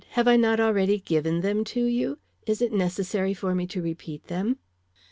Have I not already given them to you? Is it necessary for me to repeat them?"